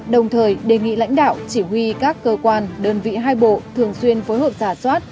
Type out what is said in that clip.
đồng thời đề nghị lãnh đạo chỉ huy các cơ quan đơn vị hai bộ thường xuyên phối hợp giả soát